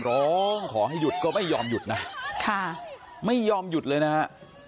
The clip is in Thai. ร้องขอให้หยุดก็ไม่ยอมหยุดนะค่ะไม่ยอมหยุดเลยนะฮะ